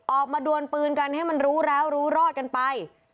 ออกมาดวนปืนกันให้มันรู้แล้วรู้รอดกันไป